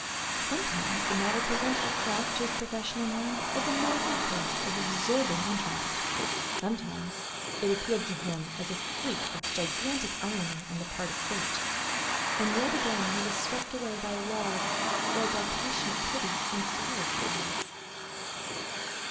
Sometimes the matter presented itself to his professional mind as a medical case of absorbing interest; sometimes it appealed to him as a freak of gigantic irony on the part of fate; and yet again he was swept away by love or by passionate pity and sorrow for Alice.